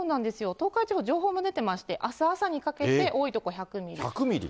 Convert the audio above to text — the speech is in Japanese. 東海地方、情報が出ていまして、あす朝にかけて多い所１００ミリ。